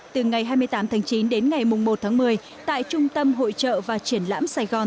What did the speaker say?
từ ngày hai mươi tám tháng chín đến ngày một tháng một mươi tại trung tâm hội trợ và triển lãm sài gòn